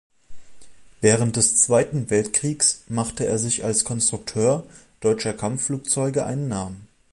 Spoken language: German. Während des Zweiten Weltkriegs machte er sich als Konstrukteur deutscher Kampfflugzeuge einen Namen.